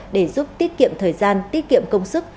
để giúp tiết kiệm thời gian tiết kiệm công sức